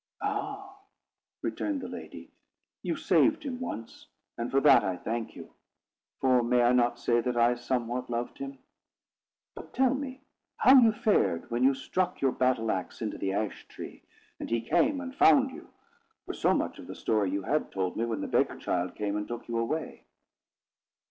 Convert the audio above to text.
"Ah!" returned the lady, "you saved him once, and for that I thank you; for may I not say that I somewhat loved him? But tell me how you fared, when you struck your battle axe into the ash tree, and he came and found you; for so much of the story you had told me, when the beggar child came and took you away."